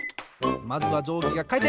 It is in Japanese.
まずはじょうぎがかいてん！